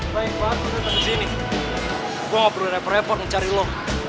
daripada gabung sama lo